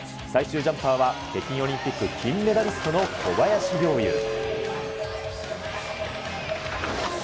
最終ジャンパーは北京オリンピック金メダリストの小林陵侑。